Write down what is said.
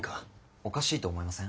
おかしいと思いません？